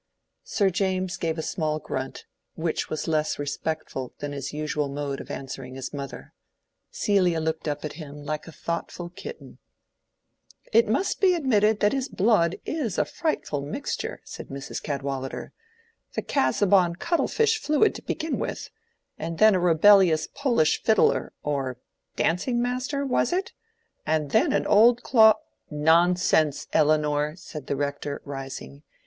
Sir James gave a small grunt, which was less respectful than his usual mode of answering his mother. Celia looked up at him like a thoughtful kitten. "It must be admitted that his blood is a frightful mixture!" said Mrs. Cadwallader. "The Casaubon cuttle fish fluid to begin with, and then a rebellious Polish fiddler or dancing master, was it?—and then an old clo—" "Nonsense, Elinor," said the Rector, rising.